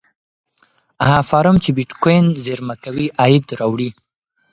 هغه فارم چې بېټکوین زېرمه کوي عاید راوړي.